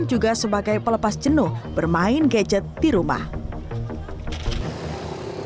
juga sebagai pelepas jenuh bermain gadget di rumah